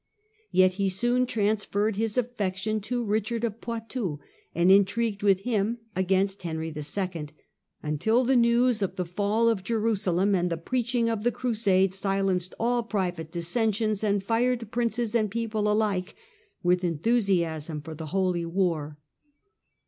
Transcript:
Yet he soon transferred his affection to Eichard of Poitou, and intrigued with him against Henry II., The Third Until the news of the fall of Jerusalem and the preaching of the Crusade (see p. 205) silenced all private dissensions and fired princes and people alike with enthusiasm for the Holy War.